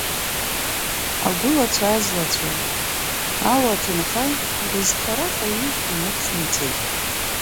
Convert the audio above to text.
Агәылацәа-азлацәа, ауа, аҭынха рызхара ифа-ижә инықәҵны ицеит.